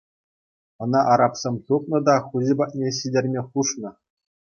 Ӑна арабсем тупнӑ та хуҫи патне ҫитерме хушнӑ.